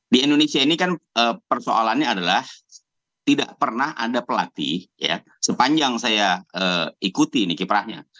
di indonesia ini kan persoalannya adalah tidak pernah ada pelatih sepanjang saya ikuti ini kiprahnya